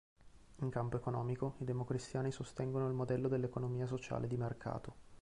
In campo economico i democristiani sostengono il modello dell'economia sociale di mercato.